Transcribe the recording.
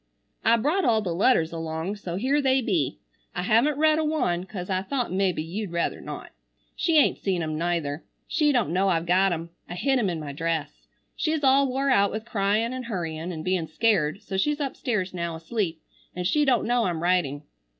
"I brought all the letters along so here they be. I havn't read a one, cause I thought mebbe you'd ruther not. She aint seen em neither. She dont know I've got em. I hid em in my dress. She's all wore out with cryin and hurryin, and being scared, so she's upstairs now asleep, an she dont know I'm writing.